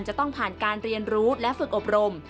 จะต้องผ่านการเรียนรู้และฝึกอบรม